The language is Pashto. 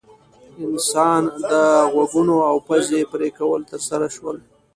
انسان د غوږونو او پزې پرې کول ترسره شول.